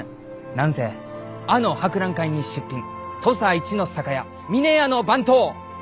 何せあの博覧会に出品土佐一の酒屋峰屋の番頭の。